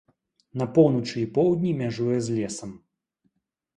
На поўначы і поўдні мяжуе з лесам.